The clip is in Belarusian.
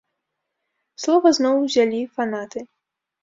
Слова зноў узялі фанаты.